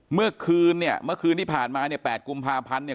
เมื่อคืนเนี่ยเมื่อคืนที่ผ่านมาเนี่ย๘กุมภาพันธ์เนี่ย